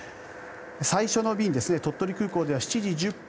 最初の便、鳥取空港では７時１０分